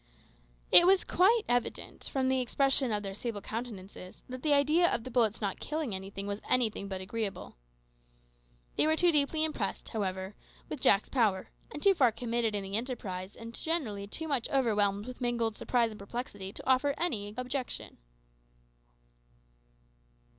It was quite evident, from the expression of their sable countenances, that the idea of the bullets not killing was anything but agreeable. They were too deeply impressed, however, with Jack's power, and too far committed in the enterprise, and generally too much overwhelmed with mingled surprise and perplexity, to offer any objection.